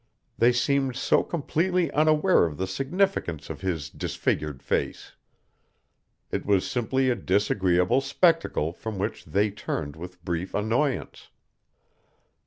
They seemed so completely unaware of the significance of his disfigured face. It was simply a disagreeable spectacle from which they turned with brief annoyance.